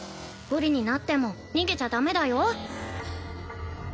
不利になっても逃げちゃダメだよ